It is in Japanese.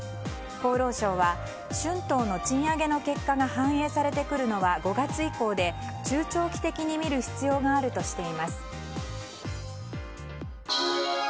厚労省は春闘の賃上げの結果が反映されてくるのは５月以降で中長期的に見る必要があるとしています。